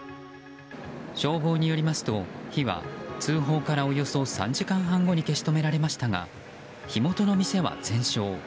消防によりますと火は通報からおよそ３時間半後に消し止められましたが火元の店は全焼。